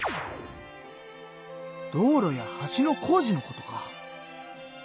道路や橋の工事のことか。